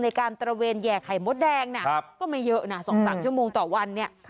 ตระเวนแห่ไข่มดแดงนะก็ไม่เยอะนะ๒๓ชั่วโมงต่อวันเนี่ย